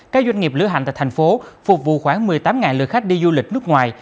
các doanh nghiệp lưu hành tại thành phố phục vụ khoảng một mươi tám lượt khách đi du lịch nước ngoài